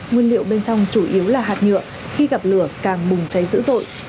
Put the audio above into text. nguyên liệu bên trong chủ yếu là hạt nhựa khi gặp lửa càng bùng cháy dữ dội